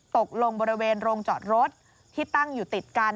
ตกลงบริเวณโรงจอดรถที่ตั้งอยู่ติดกัน